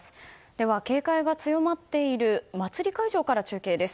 では、警戒が強まっている祭り会場から中継です。